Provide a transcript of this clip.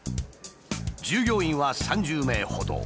従業員は３０名ほど。